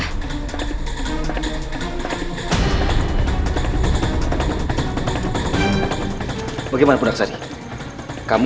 ayam kamu kbrane untuk menemukan di hutan mu